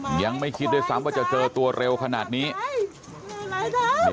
ยังไม่คิดด้วยซ้ำว่าจะเจอตัวเร็วขนาดนี้